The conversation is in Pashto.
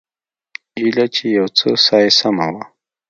ايله چې يو څه ساه يې سمه وه.